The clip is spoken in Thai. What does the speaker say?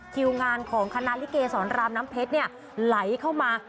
คิวงานของคณะลิเกสรรามน้ำเพชรเนี่ยไหลเข้ามา